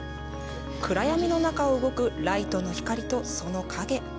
暗闇の中を動くライトの光と、その影。